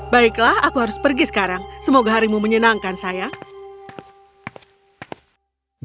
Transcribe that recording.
baiklah aku harus pergi sekarang semoga harimu menyenangkan saya